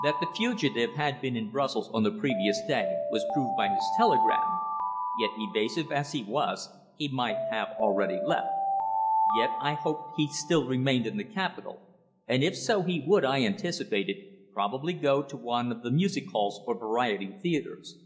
That the fugitive had been in Brussels on the previous day was proved by his telegram, yet evasive as he was, he might have already left. Yet I hoped he still remained in the capital, and if so he would, I anticipated, probably go to one of the music halls or variety theatres.